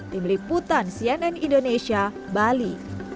tim liputan cnn indonesia bali